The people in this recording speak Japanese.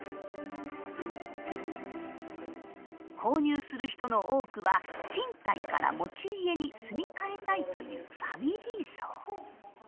購入する人の多くは賃貸から持ち家に住み替えたいというファミリー層。